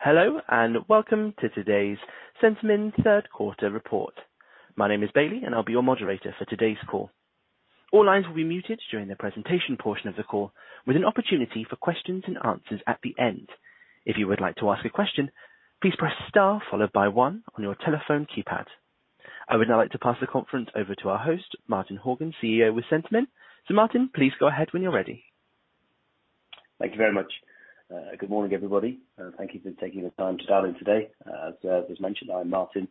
Hello, and welcome to today's Centamin third quarter report. My name is Bailey, and I'll be your moderator for today's call. All lines will be muted during the presentation portion of the call, with an opportunity for questions and answers at the end. If you would like to ask a question, please press star followed by one on your telephone keypad. I would now like to pass the conference over to our host, Martin Horgan, CEO with Centamin. Martin, please go ahead when you're ready. Thank you very much. Good morning, everybody, and thank you for taking the time to dial in today. As was mentioned, I'm Martin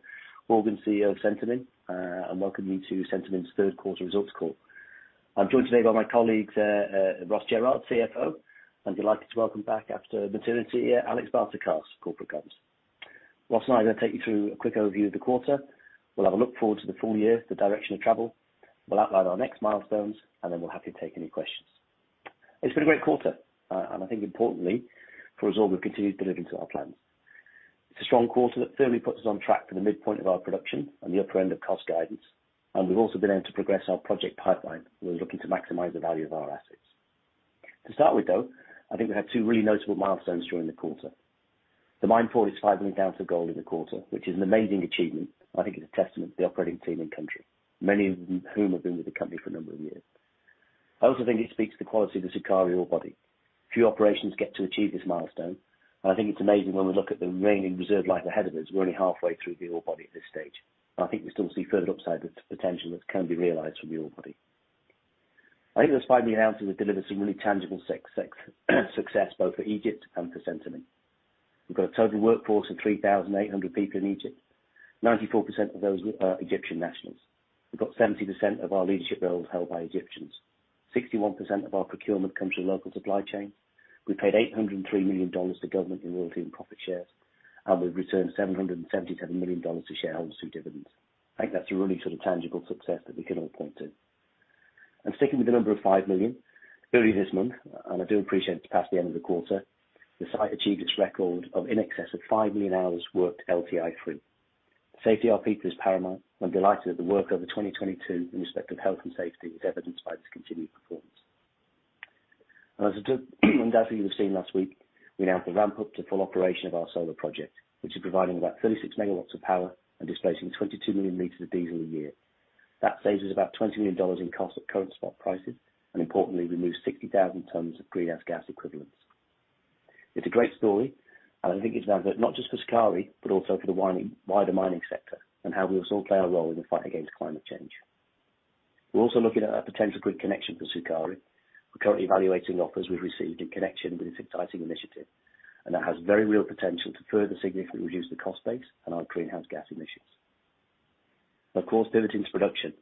Horgan, CEO of Centamin, and welcome you to Centamin's third quarter results call. I'm joined today by my colleagues, Ross Jerrard, CFO, and we're delighted to welcome back after maternity, Alexandra Barter-Carse, corporate comms. Ross and I are gonna take you through a quick overview of the quarter. We'll have a look forward to the full year, the direction of travel. We'll outline our next milestones, and then we'll be happy to take any questions. It's been a great quarter, and I think importantly, for us all, we've continued delivering to our plans. It's a strong quarter that firmly puts us on track for the midpoint of our production and the upper end of cost guidance, and we've also been able to progress our project pipeline. We're looking to maximize the value of our assets. To start with, though, I think we had two really noticeable milestones during the quarter. The mine produced 5 million ounces of gold in the quarter, which is an amazing achievement. I think it's a testament to the operating team in country, many of whom have been with the company for a number of years. I also think it speaks to the quality of the Sukari ore body. Few operations get to achieve this milestone. I think it's amazing when we look at the remaining reserve life ahead of us, we're only halfway through the ore body at this stage. I think we still see further upside potential that can be realized from the ore body. I think those five million ounces have delivered some really tangible success both for Egypt and for Centamin. We've got a total workforce of 3,800 people in Egypt. 94% of those are Egyptian nationals. We've got 70% of our leadership roles held by Egyptians. 61% of our procurement comes from local supply chain. We paid $803 million to government in royalty and profit shares, and we've returned $777 million to shareholders through dividends. I think that's a really sort of tangible success that we can all point to. Sticking with the number of 5 million, early this month, and I do appreciate it's past the end of the quarter, the site achieved its record of in excess of 5 million hours worked LTI-free. The safety of our people is paramount. I'm delighted that the work over 2022 in respect of health and safety is evidenced by this continued performance. As no doubt you've seen last week, we now have a ramp-up to full operation of our solar project, which is providing about 36 megawatts of power and displacing 22 million liters of diesel a year. That saves us about $20 million in cost at current spot prices, and importantly, removes 60,000 tons of greenhouse gas equivalents. It's a great story, and I think it's one that not just for Sukari, but also for the wider mining sector, and how we must all play our role in the fight against climate change. We're also looking at a potential grid connection for Sukari. We're currently evaluating offers we've received in connection with this exciting initiative, and that has very real potential to further significantly reduce the cost base and our greenhouse gas emissions. Of course, pivoting to production,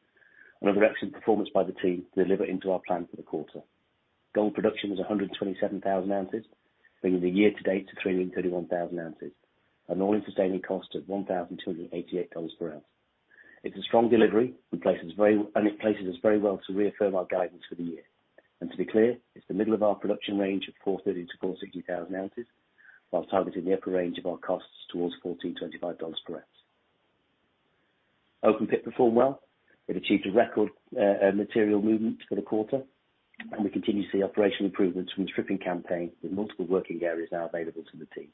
another excellent performance by the team delivering to our plan for the quarter. Gold production was 127,000 ounces, bringing the year to date to 331,000 ounces. An All-in Sustaining Cost of $1,288 per ounce. It's a strong delivery. It places us very well to reaffirm our guidance for the year. To be clear, it's the middle of our production range of 430-460 thousand ounces, while targeting the upper range of our costs towards $1,425 per ounce. Open pit performed well. It achieved a record material movement for the quarter, and we continue to see operational improvements from the stripping campaign, with multiple working areas now available to the team.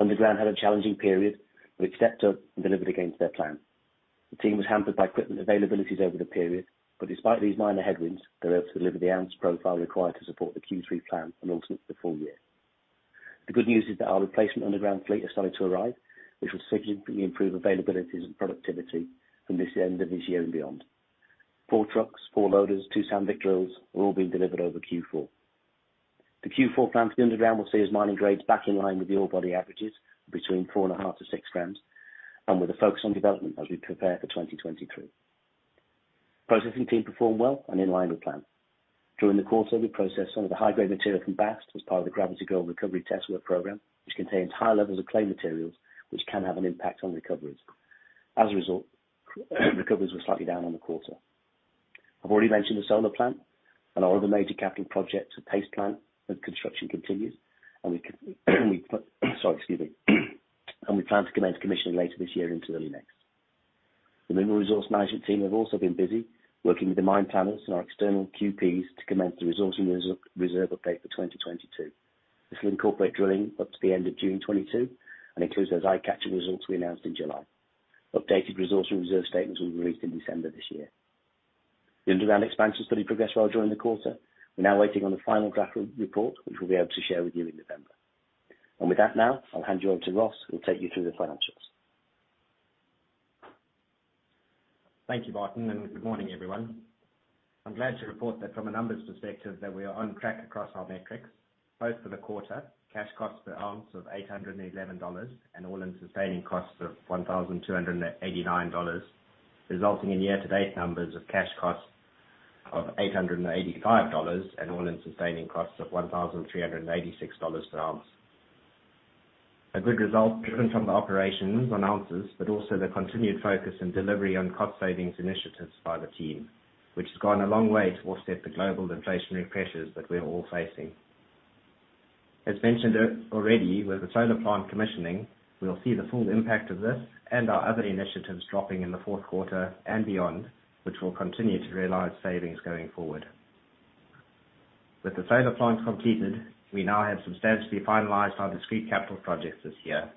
Underground had a challenging period, but it stepped up and delivered against their plan. The team was hampered by equipment availabilities over the period, but despite these minor headwinds, they were able to deliver the ounce profile required to support the Q3 plan and ultimately the full year. The good news is that our replacement underground fleet has started to arrive, which will significantly improve availabilities and productivity from this end of this year and beyond. 4 trucks, 4 loaders, 2 Sandvik drills are all being delivered over Q4. The Q4 plan for the underground will see us mining grades back in line with the ore body averages between 4.5-6 grams and with a focus on development as we prepare for 2023. Processing team performed well and in line with plan. During the quarter, we processed some of the high-grade material from Bast as part of the gravity gold recovery test work program, which contains high levels of clay materials, which can have an impact on recoveries. As a result, recoveries were slightly down on the quarter. I've already mentioned the solar plant and our other major capital projects, the paste plant, where construction continues, and we plan to commence commissioning later this year into early next. The mineral resource management team have also been busy working with the mine planners and our external QPs to commence the resource and reserve update for 2022. This will incorporate drilling up to the end of June 2022 and includes those eye-catching results we announced in July. Updated resource and reserve statements will be released in December this year. The underground expansion study progressed well during the quarter. We're now waiting on the final draft report, which we'll be able to share with you in November. With that now, I'll hand you over to Ross, who will take you through the financials. Thank you, Martin, and good morning, everyone. I'm glad to report that from a numbers perspective, that we are on track across our metrics, both for the quarter, cash costs per ounce of $811, and all-in sustaining costs of $1,289, resulting in year-to-date numbers of cash costs of $885 and all-in sustaining costs of $1,386 per ounce. A good result driven from the operations on ounces, but also the continued focus and delivery on cost savings initiatives by the team, which has gone a long way to offset the global inflationary pressures that we're all facing. As mentioned earlier with the solar plant commissioning, we'll see the full impact of this and our other initiatives dropping in the fourth quarter and beyond, which will continue to realize savings going forward. With the solar plant completed, we now have substantially finalized our discrete capital projects this year.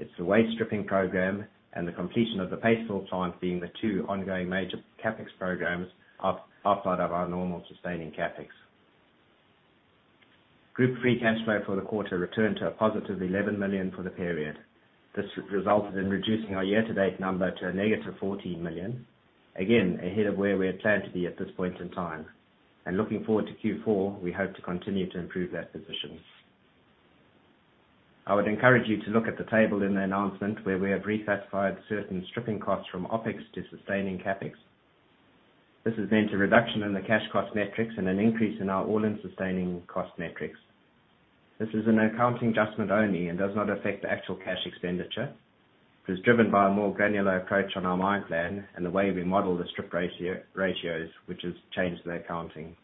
It's the waste stripping program and the completion of the paste fill plant being the two ongoing major CapEx programs outside of our normal sustaining CapEx. Group free cash flow for the quarter returned to a positive $11 million for the period. This resulted in reducing our year-to-date number to a negative $14 million, again, ahead of where we had planned to be at this point in time. Looking forward to Q4, we hope to continue to improve that position. I would encourage you to look at the table in the announcement where we have reclassified certain stripping costs from OpEx to sustaining CapEx. This has meant a reduction in the cash cost metrics and an increase in our all-in sustaining cost metrics. This is an accounting adjustment only and does not affect the actual cash expenditure. It was driven by a more granular approach on our mine plan and the way we model the strip ratio, which has changed the accounting.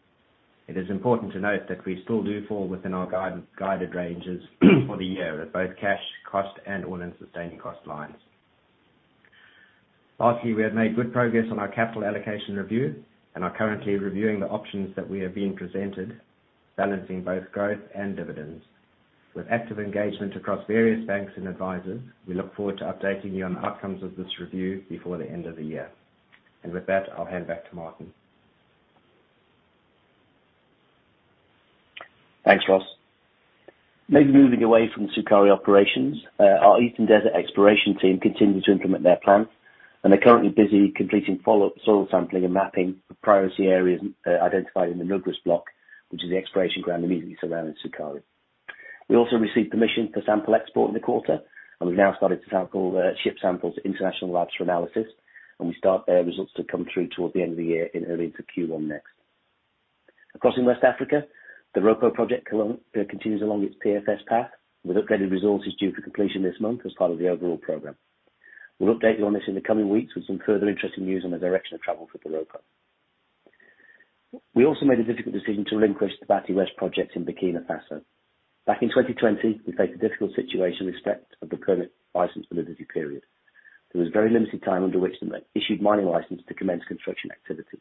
It is important to note that we still do fall within our guided ranges for the year at both cash cost and all-in sustaining cost lines. Lastly, we have made good progress on our capital allocation review and are currently reviewing the options that we are being presented, balancing both growth and dividends. With active engagement across various banks and advisors, we look forward to updating you on the outcomes of this review before the end of the year. With that, I'll hand back to Martin. Thanks, Ross. Moving away from Sukari operations, our Eastern Desert exploration team continue to implement their plan, and are currently busy completing follow-up soil sampling and mapping of priority areas identified in the Nugrus block, which is the exploration ground immediately surrounding Sukari. We also received permission for sample export in the quarter, and we've now started to sample, ship samples to international labs for analysis, and we start to hear their results to come through toward the end of the year and early into Q1 next. Across in West Africa, the Doropo project continues along its PFS path, with updated resources due for completion this month as part of the overall program. We'll update you on this in the coming weeks with some further interesting news on the direction of travel for Doropo. We also made a difficult decision to relinquish the Batie West project in Burkina Faso. Back in 2020, we faced a difficult situation with respect to the permit license validity period. There was very limited time under which an issued mining license to commence construction activity.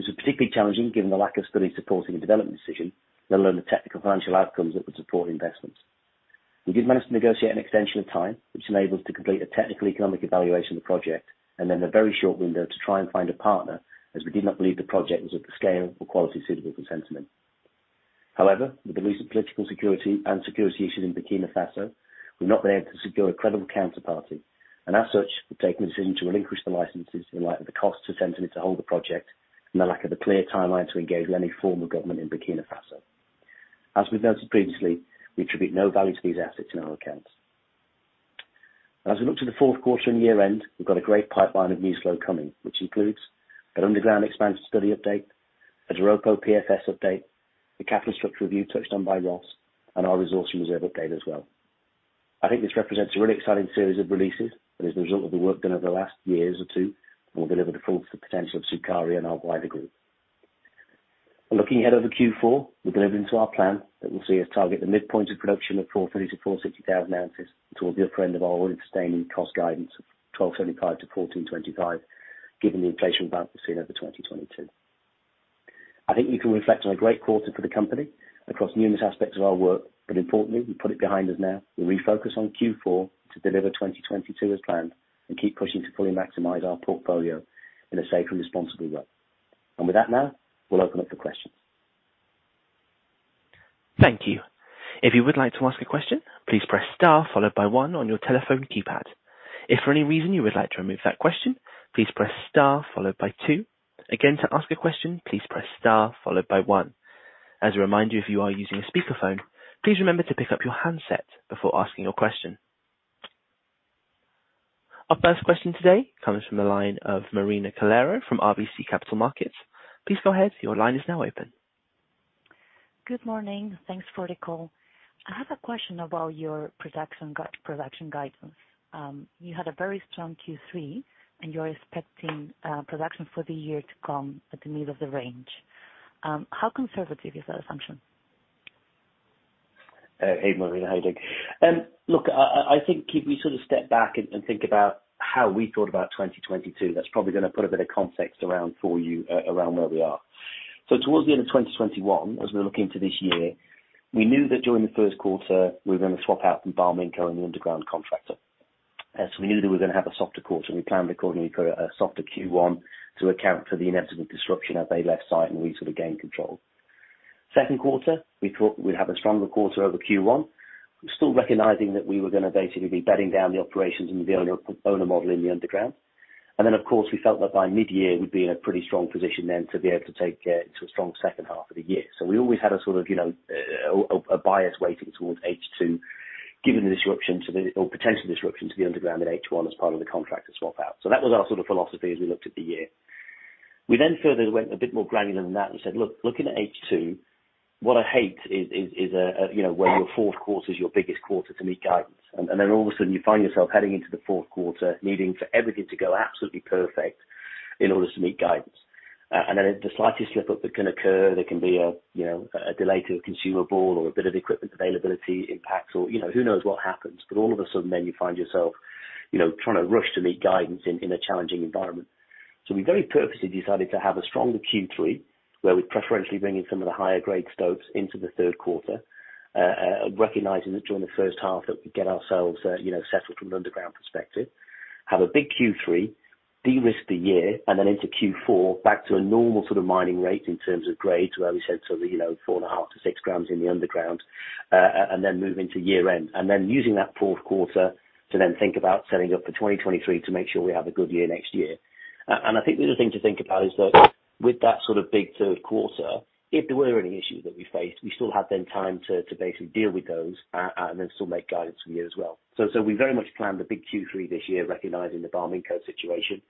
This was particularly challenging given the lack of studies supporting a development decision, let alone the technical financial outcomes that would support investments. We did manage to negotiate an extension of time, which enabled us to complete a technical economic evaluation of the project, and then a very short window to try and find a partner, as we did not believe the project was of the scale or quality suitable for Centamin. However, with the recent political security issues in Burkina Faso, we've not been able to secure a credible counterparty, and as such, we've taken the decision to relinquish the licenses in light of the cost to Centamin to hold the project and the lack of a clear timeline to engage with any form of government in Burkina Faso. As we've noted previously, we attribute no value to these assets in our accounts. As we look to the fourth quarter and year end, we've got a great pipeline of news flow coming, which includes an underground expansion study update, a Doropo PFS update, the capital structure review touched on by Ross, and our resource and reserve update as well. I think this represents a really exciting series of releases that is the result of the work done over the last year or two, and will deliver the full potential of Sukari and our wider group. Looking ahead over Q4, we're delivering to our plan that will see us target the midpoint of production of 450-460 thousand ounces towards the upper end of our All-in Sustaining Cost guidance of $1,275-$1,425, given the inflation environment we've seen over 2022. I think we can reflect on a great quarter for the company across numerous aspects of our work, but importantly, we put it behind us now. We'll refocus on Q4 to deliver 2022 as planned and keep pushing to fully maximize our portfolio in a safe and responsible way. With that now, we'll open up for questions. Thank you. If you would like to ask a question, please press star followed by one on your telephone keypad. If for any reason you would like to remove that question, please press star followed by two. Again, to ask a question, please press star followed by one. As a reminder, if you are using a speakerphone, please remember to pick up your handset before asking your question. Our first question today comes from the line of Marina Calero from RBC Capital Markets. Please go ahead. Your line is now open. Good morning. Thanks for the call. I have a question about your production guidance. You had a very strong Q3, and you're expecting production for the year to come at the middle of the range. How conservative is that assumption? Hey, Marina. How are you doing? Look, I think if we sort of step back and think about how we thought about 2022, that's probably gonna put a bit of context around for you, around where we are. Towards the end of 2021, as we were looking to this year, we knew that during the first quarter, we were gonna swap out from Barminco and the underground contractor. We knew that we were gonna have a softer quarter, and we planned accordingly for a softer Q1 to account for the inevitable disruption as they left site and we sort of gained control. Second quarter, we thought we'd have a stronger quarter over Q1. We're still recognizing that we were gonna basically be bedding down the operations and be able to own a model in the underground. Of course, we felt that by mid-year, we'd be in a pretty strong position then to be able to take to a strong second half of the year. We always had a sort of, you know, a bias weighting towards H2, given the potential disruption to the underground in H1 as part of the contractor swap out. That was our sort of philosophy as we looked at the year. We further went a bit more granular than that and said, "Look, looking at H2, what I hate is a, you know, where your fourth quarter is your biggest quarter to meet guidance." Then all of a sudden you find yourself heading into the fourth quarter needing for everything to go absolutely perfect in order to meet guidance. The slightest slip up that can occur, there can be a, you know, a delay to a consumable or a bit of equipment availability impacts or, you know, who knows what happens, but all of a sudden then you find yourself. You know, trying to rush to meet guidance in a challenging environment. We very purposely decided to have a stronger Q3, where we preferentially bring in some of the higher grade stopes into the third quarter, recognizing that during the first half that we get ourselves, you know, settled from an underground perspective, have a big Q3, de-risk the year, and then into Q4, back to a normal sort of mining rate in terms of grades, where we said sort of, you know, 4.5-6 grams in the underground, and then move into year-end. Using that fourth quarter to then think about setting up for 2023 to make sure we have a good year next year. I think the other thing to think about is that with that sort of big third quarter, if there were any issues that we faced, we still have then time to basically deal with those, and then still make guidance for the year as well. We very much planned the big Q3 this year, recognizing the Barminco situation,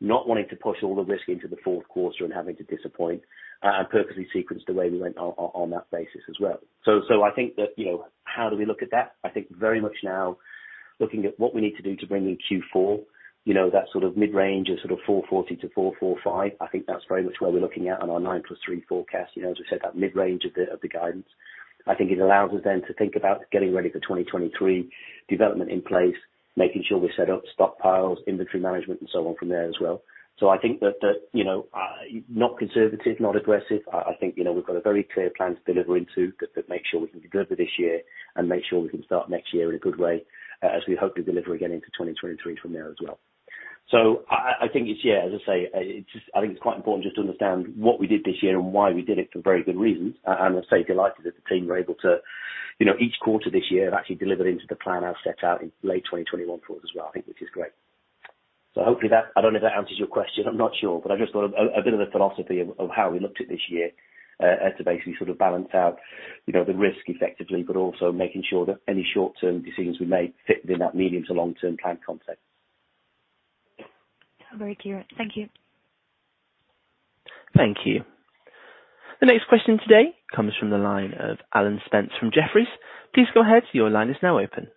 not wanting to push all the risk into the fourth quarter and having to disappoint, and purposely sequenced the way we went on that basis as well. I think that, you know, how do we look at that? I think very much now looking at what we need to do to bring in Q4, you know, that sort of mid-range of sort of 440-445. I think that's very much where we're looking at on our 9+3 forecast. You know, as I said, that mid-range of the guidance. I think it allows us then to think about getting ready for 2023 development in place, making sure we set up stockpiles, inventory management, and so on from there as well. I think that, you know, not conservative, not aggressive. I think, you know, we've got a very clear plan to deliver into to make sure we can deliver this year and make sure we can start next year in a good way as we hope to deliver again into 2023 from there as well. I think it's, yeah, as I say, it's just, I think it's quite important just to understand what we did this year and why we did it for very good reasons. I'd say delighted that the team were able to, you know, each quarter this year have actually deliver into the plan I've set out in late 2021 for us as well, I think, which is great. Hopefully that answers your question. I don't know if that answers your question. I'm not sure. I just thought of a bit of a philosophy of how we looked at this year to basically sort of balance out, you know, the risk effectively, but also making sure that any short-term decisions we made fit within that medium- to long-term plan concept. Very clear. Thank you. Thank you. The next question today comes from the line of Alan Spence from Jefferies. Please go ahead. Your line is now open.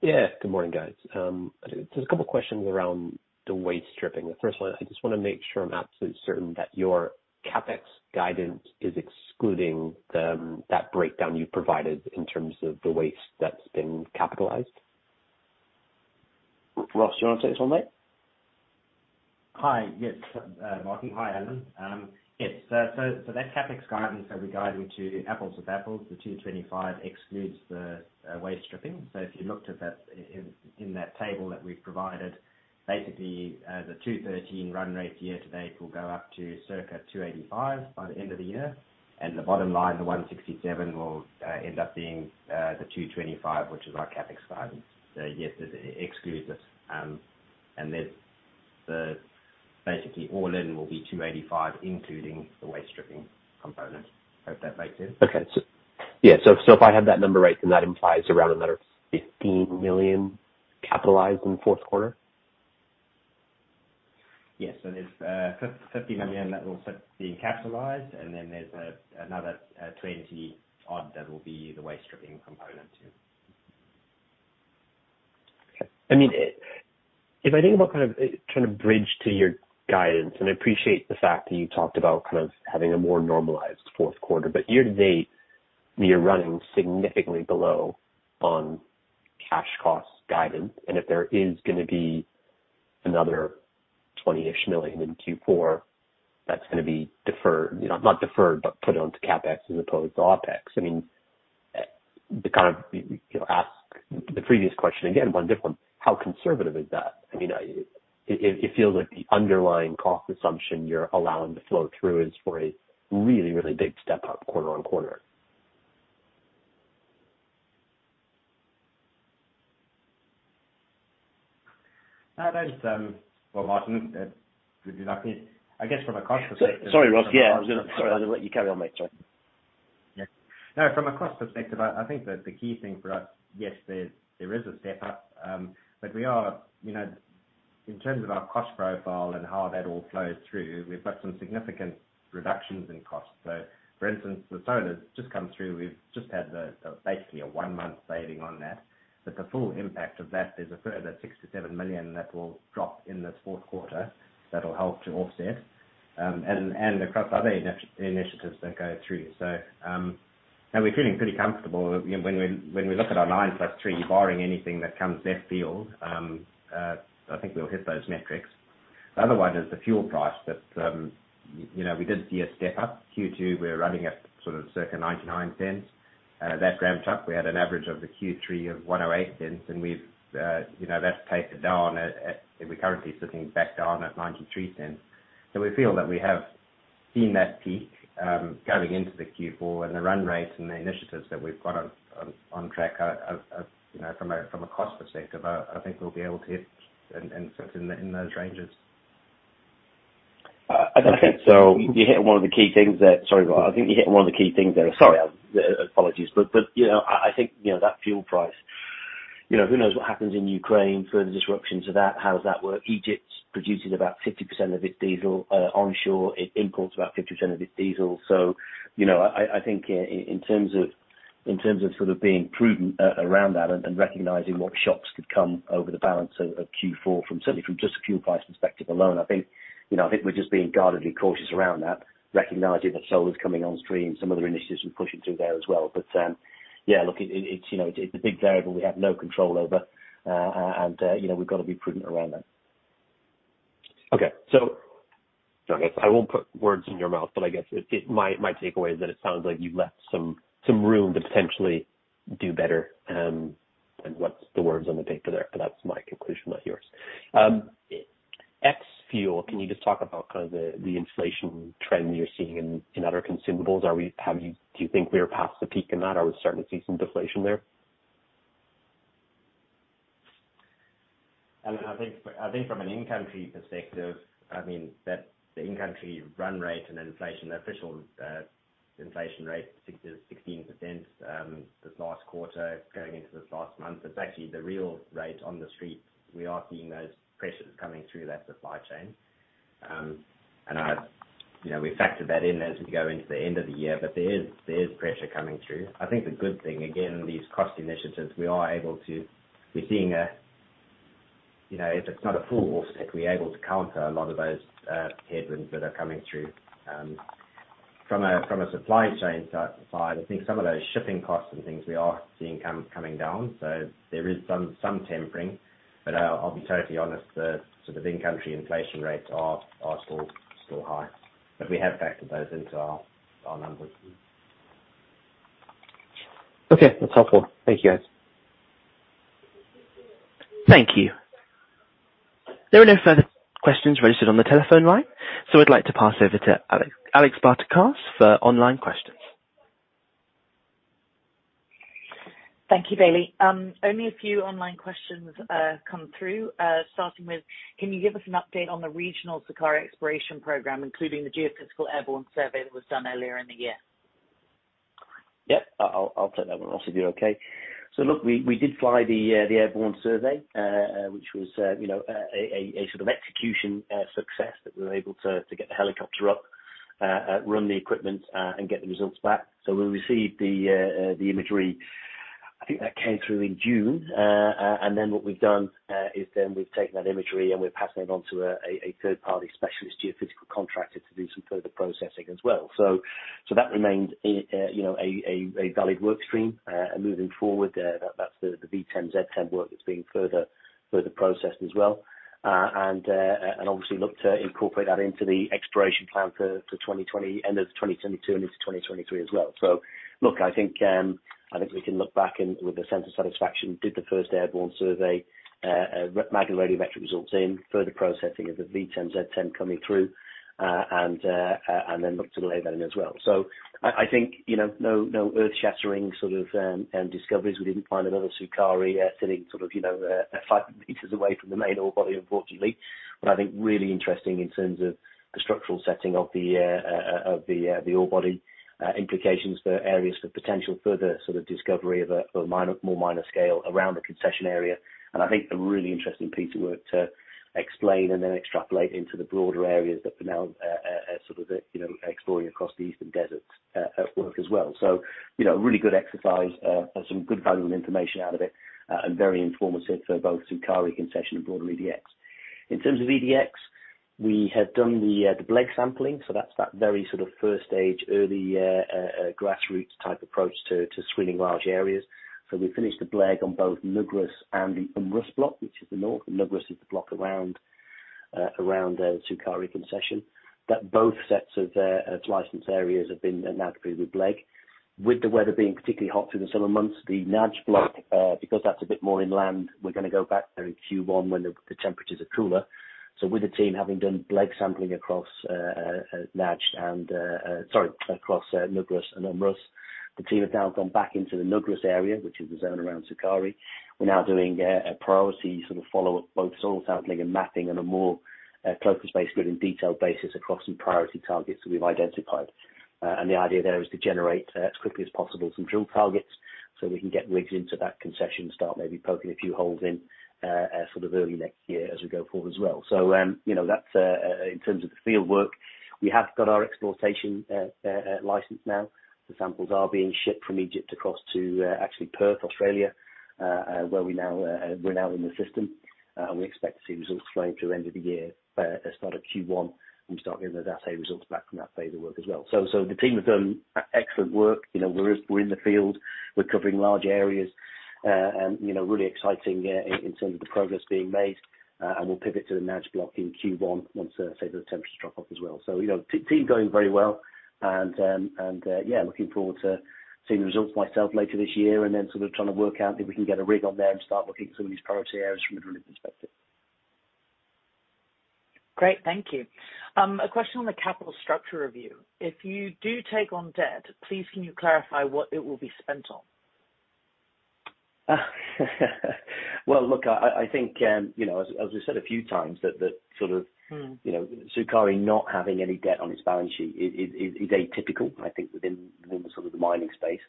Yeah. Good morning, guys. Just a couple of questions around the waste stripping. The first one, I just wanna make sure I'm absolutely certain that your CapEx guidance is excluding the, that breakdown you provided in terms of the waste that's been capitalized. Ross, you wanna take this one, mate? Hi. Yes, Martin. Hi, Alan. Yes. That CapEx guidance that we guided to apples to apples, the $225 excludes the waste stripping. If you looked at that in that table that we provided, basically, the $213 run rate year to date will go up to circa $285 by the end of the year. The bottom line, the $167, will end up being the $225, which is our CapEx guidance. Yes, it excludes it. Basically, all in will be $285, including the waste stripping component. Hope that makes sense. Okay. Yeah, so if I have that number right, then that implies around another $15 million capitalized in the fourth quarter? Yes. There's $15 million that will be capitalized, and then there's another $20-odd that will be the waste stripping component too. I mean, if I think about kind of, trying to bridge to your guidance, and I appreciate the fact that you talked about kind of having a more normalized fourth quarter, but year to date, you're running significantly below on cash costs guidance. If there is gonna be another $20-ish million in Q4, that's gonna be deferred. You know, not deferred, but put onto CapEx as opposed to OpEx. I mean, the kind of, you know, ask the previous question again, one different, how conservative is that? I mean, it feels like the underlying cost assumption you're allowing to flow through is for a really big step up quarter-on-quarter. I just, well, Martin, would you like me, I guess from a cost perspective- Sorry, Ross. Yeah. Sorry, I'll just let you carry on, mate. Sorry. Yeah. No, from a cost perspective, I think that the key thing for us, yes, there is a step up. We are, you know, in terms of our cost profile and how that all flows through, we've got some significant reductions in cost. For instance, the solar's just come through. We've just had the, basically a 1-month saving on that. The full impact of that is a further $6 million-$7 million that will drop in this fourth quarter that will help to offset, and across other initiatives that go through. We're feeling pretty comfortable. You know, when we look at our 9+3, barring anything that comes left field, I think we'll hit those metrics. The other one is the fuel price that, you know, we did see a step up. Q2, we're running at sort of circa $0.99. That ramped up. We had an average of the Q3 of $1.08, and we've, you know, that's tapered down at, and we're currently sitting back down at $0.93. We feel that we have seen that peak, going into the Q4 and the run rate and the initiatives that we've got on track, you know, from a cost perspective, I think we'll be able to hit and sit in those ranges. I think so. I think you hit one of the key things there. Sorry. Apologies. You know, I think you know that fuel price. You know, who knows what happens in Ukraine, further disruptions of that, how does that work? Egypt produces about 50% of its diesel onshore. It imports about 50% of its diesel. You know, I think in terms of sort of being prudent around that and recognizing what shocks could come over the balance of Q4 from certainly from just a fuel price perspective alone, I think you know, I think we're just being guardedly cautious around that, recognizing that solar's coming on stream, some other initiatives we're pushing through there as well. Yeah, look, it's, you know, it's a big variable we have no control over, and, you know, we've got to be prudent around that. I won't put words in your mouth, but I guess it, my takeaway is that it sounds like you've left some room to potentially do better than what's the words on the paper there. That's my conclusion, not yours. Ex fuel, can you just talk about kind of the inflation trend you're seeing in other consumables? Do you think we are past the peak in that? Are we starting to see some deflation there? Alan, I think from an in-country perspective, I mean, that the in-country run rate and then inflation, official inflation rate 6%-16%, this last quarter going into this last month. Actually the real rate on the street, we are seeing those pressures coming through that supply chain. You know, we factor that in as we go into the end of the year. There is pressure coming through. I think the good thing, again, these cost initiatives. We're seeing, you know, if it's not a full offset, we're able to counter a lot of those headwinds that are coming through. From a supply chain side, I think some of those shipping costs and things we are seeing coming down, so there is some tempering. I’ll be totally honest, the sort of in-country inflation rates are still high. We have factored those into our numbers. Okay. That's helpful. Thank you, guys. Thank you. There are no further questions registered on the telephone line, so we'd like to pass over to Alexandra Barter-Carse for online questions. Thank you, Bailey. Only a few online questions come through, starting with can you give us an update on the regional Sukari exploration program, including the geophysical airborne survey that was done earlier in the year? Yep. I'll take that one, Ross, if you're okay. Look, we did fly the airborne survey, which was, you know, a sort of execution success that we were able to get the helicopter up, run the equipment, and get the results back. We received the imagery. I think that came through in June. And then what we've done is we've taken that imagery, and we're passing it on to a third-party specialist geophysical contractor to do some further processing as well. That remains a valid work stream. And moving forward, that's the VTEM/ZTEM work that's being further processed as well. Obviously look to incorporate that into the exploration plan for 2020, end of 2022 and into 2023 as well. Look, I think we can look back and with a sense of satisfaction did the first airborne survey, magnetics, radiometrics, and VTEM results in further processing of the VTEM/ZTEM coming through, and then look to the LIDAR then as well. I think, you know, no earth-shattering sort of discoveries. We didn't find another Sukari sitting sort of, you know, five meters away from the main ore body, unfortunately. I think really interesting in terms of the structural setting of the ore body implications for areas for potential further sort of discovery of a minor, more minor scale around the concession area. I think a really interesting piece of work to explain and then extrapolate into the broader areas that are now sort of, you know, exploring across the eastern deserts at work as well. You know, really good exercise, some good valuable information out of it, and very informative for both Sukari concession and broader EDX. In terms of EDX, we have done the BLEG sampling, so that's that very sort of first stage, early grassroots type approach to screening large areas. We finished the BLEG on both Nugrus and the Um Rus block, which is the north. Nugrus is the block around the Sukari concession. Both sets of license areas have been adequately BLEGged. With the weather being particularly hot through the summer months, the Najd block, because that's a bit more inland, we're gonna go back there in Q1 when the temperatures are cooler. With the team having done BLEG sampling across Nugrus and Um Rus, the team have now gone back into the Nugrus area, which is the zone around Sukari. We're now doing a priority sort of follow-up, both soil sampling and mapping on a more focused, good and detailed basis across some priority targets that we've identified. The idea there is to generate as quickly as possible some drill targets so we can get rigs into that concession, start maybe poking a few holes in sort of early next year as we go forward as well. You know, that's in terms of the field work. We have got our exploration license now. The samples are being shipped from Egypt across to actually Perth, Australia, where we're now in the system. We expect to see results flowing through end of the year. As part of Q1, we start getting the assay results back from that phase of work as well. The team have done excellent work. You know, we're in the field. We're covering large areas. You know, really exciting in terms of the progress being made. We'll pivot to the Najd block in Q1 once the temperatures drop off as well. You know, team going very well. Looking forward to seeing the results myself later this year and then sort of trying to work out if we can get a rig on there and start looking at some of these priority areas from a drilling perspective. Great. Thank you. A question on the capital structure review. If you do take on debt, please can you clarify what it will be spent on? Well, look, I think, you know, as we said a few times that sort of. Mm. You know, Sukari not having any debt on its balance sheet is atypical, I think within the sort of the mining space.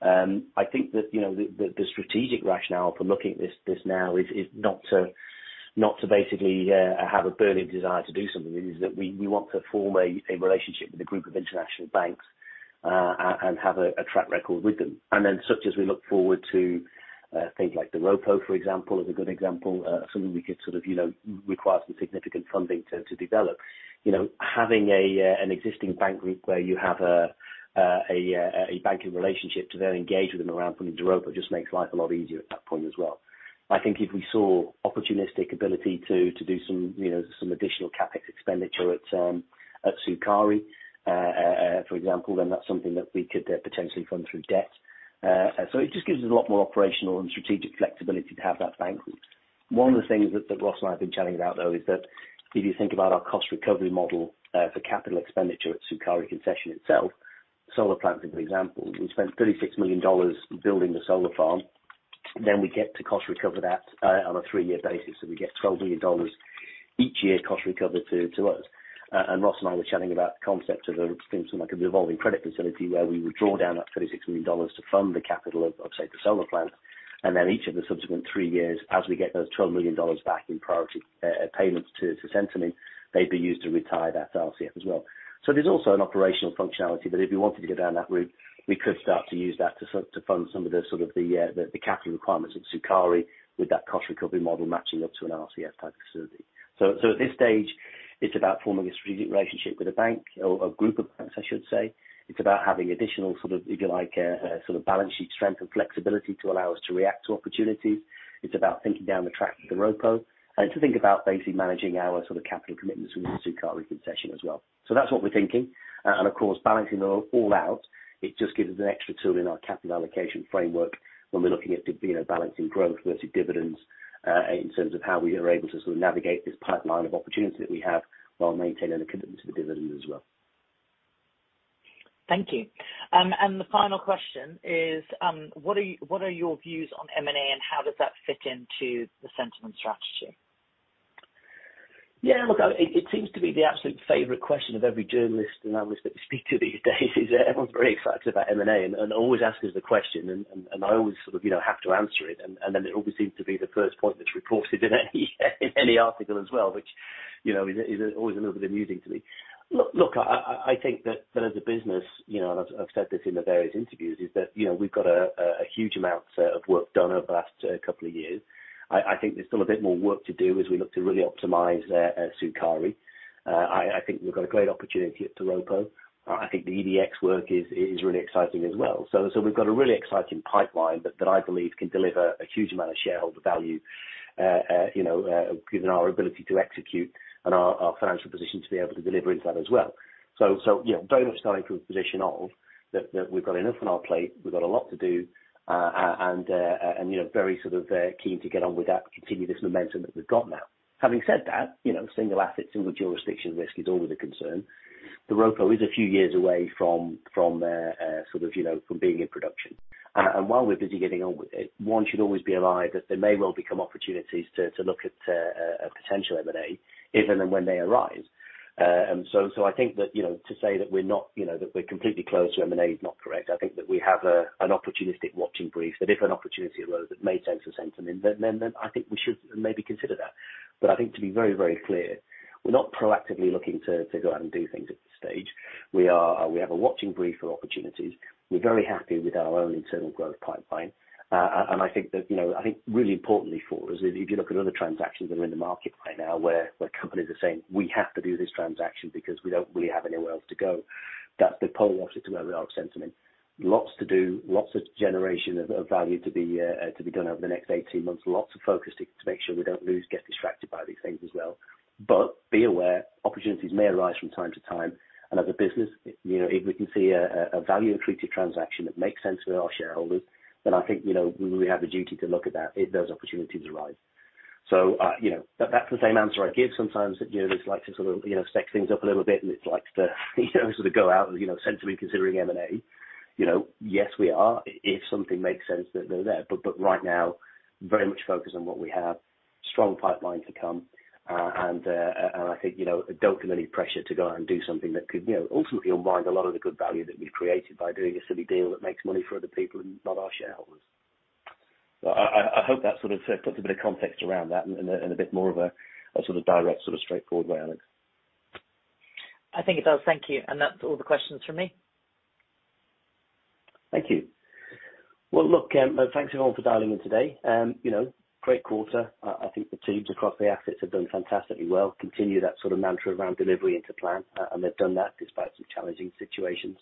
I think that, you know, the strategic rationale for looking at this now is not to basically have a burning desire to do something. It is that we want to form a relationship with a group of international banks and have a track record with them. Then such as we look forward to things like the Doropo, for example, is a good example, something we could sort of, you know, require some significant funding to develop. You know, having an existing bank group where you have a banking relationship to then engage with them around funding the Doropo just makes life a lot easier at that point as well. I think if we saw opportunistic ability to do some, you know, some additional CapEx expenditure at Sukari, for example, then that's something that we could potentially fund through debt. It just gives us a lot more operational and strategic flexibility to have that bank. One of the things that Ross and I have been chatting about though is that if you think about our cost recovery model, for capital expenditure at Sukari concession itself, solar plants as an example, we spent $36 million building the solar farm. We get to cost recover that on a three-year basis, so we get $12 million each year cost recovered to us. Ross and I were chatting about the concept of something like a revolving credit facility where we would draw down that $26 million to fund the capital of say the solar plant. Then each of the subsequent three years, as we get those $12 million back in priority payments to Centamin, they'd be used to retire that RCF as well. There's also an operational functionality that if we wanted to go down that route, we could start to use that to sort of fund some of the capital requirements at Sukari with that cost recovery model matching up to an RCF type of facility. At this stage, it's about forming a strategic relationship with a bank or a group of banks, I should say. It's about having additional sort of, if you like, sort of balance sheet strength and flexibility to allow us to react to opportunities. It's about thinking down the track of the Doropo and to think about basically managing our sort of capital commitments within the Sukari concession as well. That's what we're thinking. Of course, balancing it all out, it just gives us an extra tool in our capital allocation framework when we're looking at, you know, balancing growth versus dividends, in terms of how we are able to sort of navigate this pipeline of opportunities that we have while maintaining a commitment to the dividend as well. Thank you. The final question is, what are your views on M&A, and how does that fit into the Centamin strategy? Yeah, look, I mean, it seems to be the absolute favorite question of every journalist and analyst that we speak to these days is everyone's very excited about M&A and always ask us the question and I always sort of, you know, have to answer it. It always seems to be the first point that's reported in any article as well, which, you know, is always a little bit amusing to me. Look, I think that as a business, you know, and I've said this in the various interviews, is that, you know, we've got a huge amount of work done over the past couple of years. I think there's still a bit more work to do as we look to really optimize Sukari. I think we've got a great opportunity at Doropo. I think the EDX work is really exciting as well. We've got a really exciting pipeline that I believe can deliver a huge amount of shareholder value, you know, given our ability to execute and our financial position to be able to deliver into that as well. You know, very much starting from a position of that we've got enough on our plate, we've got a lot to do, and you know, very sort of keen to get on with that, continue this momentum that we've got now. Having said that, you know, single assets in which jurisdiction risk is always a concern. The Doropo is a few years away from sort of, you know, from being in production. While we're busy getting on with it, one should always be aware that there may well become opportunities to look at a potential M&A if and when they arise. I think that, you know, to say that we're not, you know, that we're completely closed to M&A is not correct. I think that we have an opportunistic watching brief, that if an opportunity arose that made sense for Centamin, then I think we should maybe consider that. I think to be very, very clear, we're not proactively looking to go out and do things at this stage. We have a watching brief for opportunities. We're very happy with our own internal growth pipeline. I think that, you know, I think really importantly for us is if you look at other transactions that are in the market right now where companies are saying, "We have to do this transaction because we don't really have anywhere else to go," that's the polar opposite of where we are with Centamin. Lots to do, lots of generation of value to be done over the next 18 months. Lots of focus to make sure we don't lose, get distracted by these things as well. Be aware, opportunities may arise from time to time. As a business, you know, if we can see a value accretive transaction that makes sense for our shareholders, then I think, you know, we really have a duty to look at that if those opportunities arise. You know, that's the same answer I give sometimes that journalists like to sort of, you know, sex things up a little bit, and it likes to, you know, sort of go out as, you know, Centamin considering M&A. You know, yes, we are if something makes sense that they're there. Right now, very much focused on what we have, strong pipeline to come, and I think, you know, don't put any pressure to go out and do something that could, you know, ultimately unwind a lot of the good value that we've created by doing a silly deal that makes money for other people and not our shareholders. I hope that sort of puts a bit of context around that in a bit more of a sort of direct, sort of straightforward way, Alex. I think it does. Thank you. That's all the questions from me. Thank you. Well, look, thanks everyone for dialing in today. You know, great quarter. I think the teams across the assets have done fantastically well, continue that sort of mantra around delivery into plan, and they've done that despite some challenging situations.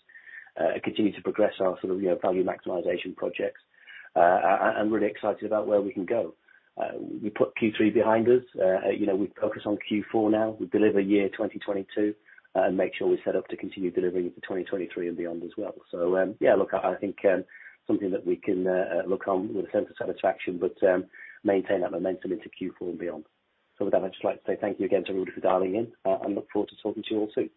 Continue to progress our sort of, you know, value maximization projects. And really excited about where we can go. We put Q3 behind us. You know, we focus on Q4 now. We deliver year 2022, and make sure we're set up to continue delivering for 2023 and beyond as well. Yeah, look, I think something that we can look on with a sense of satisfaction, but maintain that momentum into Q4 and beyond. With that, I'd just like to say thank you again to everybody for dialing in. Look forward to talking to you all soon.